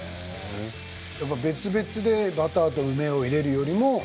別々でバターと梅を入れるよりも？